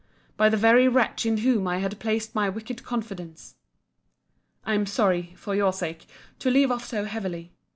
] 'by the very wretch in whom I had placed my wicked confidence!' I am sorry, for your sake, to leave off so heavily.